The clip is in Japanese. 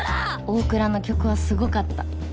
大倉の曲はすごかった。